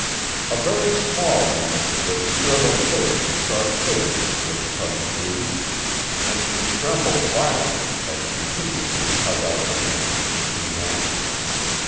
A very small woman, with shrivelled face and sharp features, was Tug's booty, and she trembled violently as she piteously held out her hands to the two men.